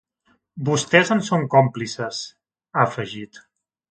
Vostès en són còmplices, ha afegit.